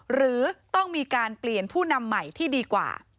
หรือต้องมีการเปลี่ยนผู้นำใหม่ที่ดีกว่า